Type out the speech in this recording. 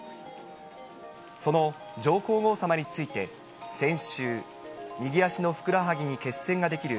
その上皇后さまについて、先週、右足のふくらはぎに血栓が出来る、